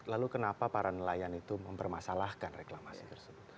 lalu kenapa para nelayan itu mempermasalahkan reklamasi tersebut